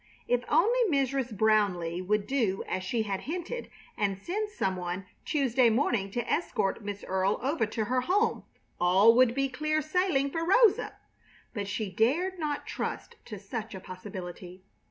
If only Mrs. Brownleigh would do as she had hinted and send some one Tuesday morning to escort Miss Earle over to her home, all would be clear sailing for Rosa; but she dared not trust to such a possibility.